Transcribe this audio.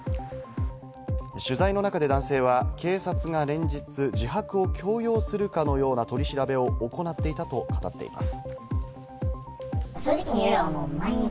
取材の中で男性は警察が連日、自白を強要するかのような取り調べを行っていたと語っています。